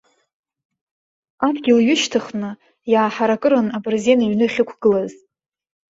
Адгьыл ҩышьҭыхны, иааҳаракыран абырзен иҩны ахьықәгылаз.